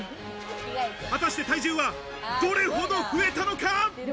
果たして体重はどれ程増えたのか？